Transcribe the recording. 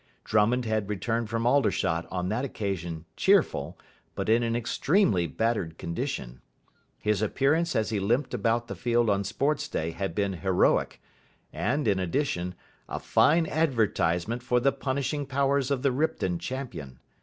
Drummond had returned from Aldershot on that occasion cheerful, but in an extremely battered condition. His appearance as he limped about the field on Sports Day had been heroic, and, in addition, a fine advertisement for the punishing powers of the Ripton champion.